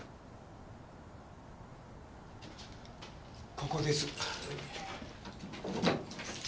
ここです。